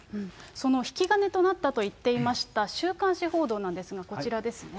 その引き金となったと言っていました、週刊誌報道なんですが、こちらですね。